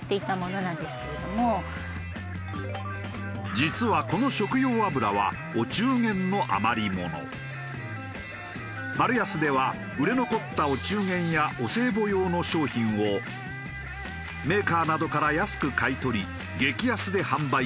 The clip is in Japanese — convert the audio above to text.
実はこの食用油はマルヤスでは売れ残ったお中元やお歳暮用の商品をメーカーなどから安く買い取り激安で販売しているのだ。